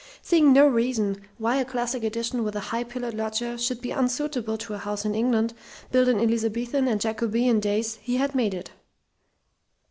Seeing no reason why a classic addition with a high pillared loggia should be unsuitable to a house in England built in Elizabethan and Jacobean days, he had made it.